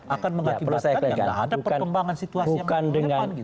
akan mengakibatkan yang gak ada perkembangan situasi yang berkelepan gitu